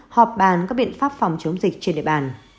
họp bàn các biện pháp phòng chống dịch trên địa bàn